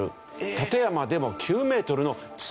館山でも９メートルの津波。